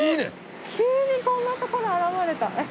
急にこんな所現れた。